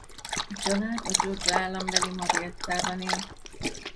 A család a Georgia állambeli Mariettában él.